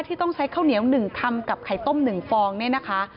ที่ต้องใช้ข้าวเหนียว๑คำกับไข่ต้ม๑ฟองเนี่ยนะคะ